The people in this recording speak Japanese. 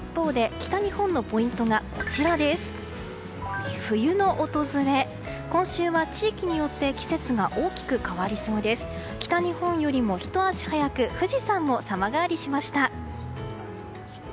北日本よりもひと足早く富士山も様変わりしました。